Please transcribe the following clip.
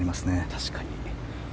確かに。